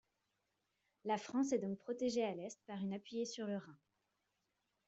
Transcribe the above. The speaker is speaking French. La France est donc protégée à l'est par une appuyée sur le Rhin.